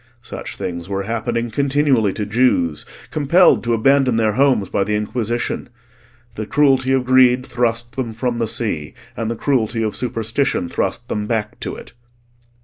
Such things were happening continually to Jews compelled to abandon their homes by the Inquisition: the cruelty of greed thrust them from the sea, and the cruelty of superstition thrust them back to it.